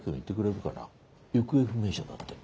行方不明者だって。